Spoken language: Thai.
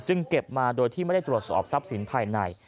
เก็บมาโดยที่ไม่ได้ตรวจสอบทรัพย์สินภายใน